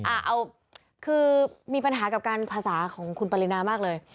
เอาคือมีปัญหากับการภาษาของคุณปรินามากเลย